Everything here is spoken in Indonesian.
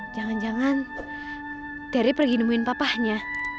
jangan jangan teri pergi nemuin papahnya